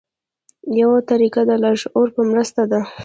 یوه طریقه د لاشعور په مرسته ده.